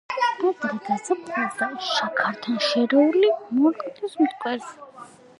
ადრე გაზაფხულზე შაქართან შერეულ მურყნის მტვერს ფუტკრის საკვებად იყენებენ.